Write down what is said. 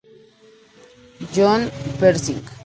John J. Pershing.